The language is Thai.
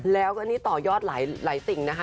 แล้วก็อันนี้ต่อยอดหลายสิ่งนะคะ